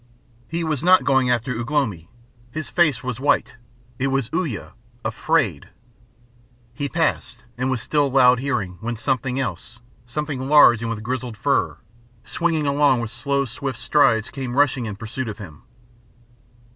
He was not going after Ugh lomi. His face was white. It was Uya afraid! He passed, and was still loud hearing, when something else, something large and with grizzled fur, swinging along with soft swift strides, came rushing in pursuit of him.